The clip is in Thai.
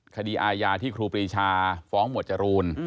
คดีอาญาที่ครูปรีชาฟ้องหมวดจรูน